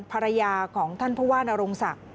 ภรรยาของท่านผู้ว่านรงศักดิ์